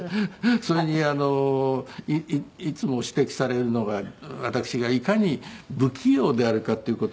それにいつも指摘されるのが私がいかに不器用であるかっていう事で。